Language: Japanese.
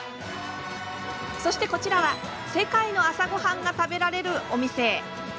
そして、こちらは世界の朝ごはんが食べられるお店。